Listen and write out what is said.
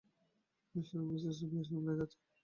Me ও Mrs সেভিয়ার সিমলা যাচ্ছেন।